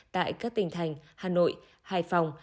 tại các tỉnh thành hà nội hải phòng